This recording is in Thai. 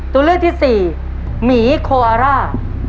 ตัวเลือกที่สี่หมีโคอาร่า